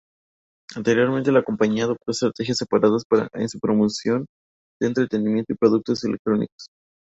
Anteriormente, la compañía adoptó estrategias separadas en su promoción de entretenimiento y productos electrónicos.